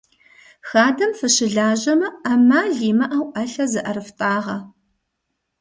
Хадэм фыщылажьэмэ, ӏэмал имыӏэу ӏэлъэ зыӏэрыфтӏагъэ.